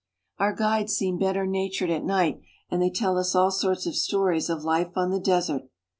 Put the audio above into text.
Our guides seem better natured at night, and they tell us ;11 sorts of stories of life on the desert.